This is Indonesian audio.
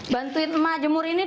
bantuin emak jemur ini